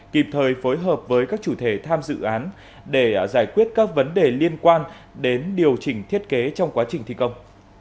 kịp thời phối hợp với các chủ thể tham dự án để giải quyết các vấn đề liên quan đến điều chỉnh thiết kế trong quá trình thi công